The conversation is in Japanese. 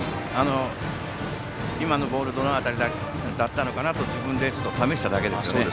今のボールはどの辺りだったのかなと自分で試しただけですね。